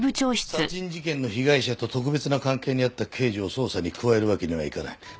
殺人事件の被害者と特別な関係にあった刑事を捜査に加えるわけにはいかない。